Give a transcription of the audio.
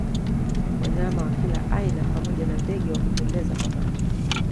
Wanyama wa kila aina pamoja wa ndege wa kupendeza kwa macho